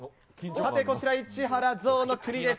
さて、こちら市原ぞうの国です。